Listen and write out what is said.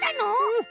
うん。